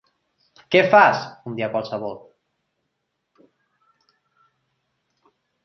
Què fas, un dia qualsevol?